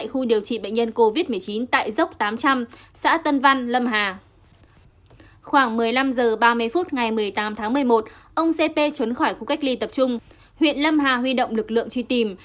huyện lâm hà huy động lực lượng truy tìm